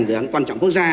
dự án quan trọng quốc gia